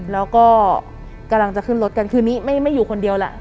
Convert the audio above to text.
แล้วก็กำลังจะขึ้นรถกันคือนี้ไม่อยู่คนเดียวแหละ